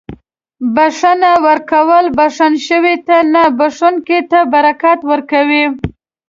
• بښنه ورکول بښل شوي ته نه، بښونکي ته برکت ورکوي.